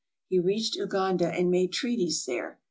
He reached Uganda and made treaties there.